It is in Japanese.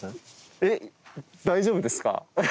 えっ大丈夫ですか？